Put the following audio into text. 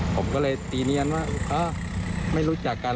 ผมก็เลยตีเนียนว่าไม่รู้จักกัน